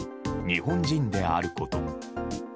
日本人であること。